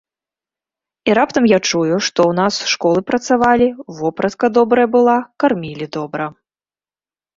І раптам я чую, што ў нас школы працавалі, вопратка добрая была, кармілі добра.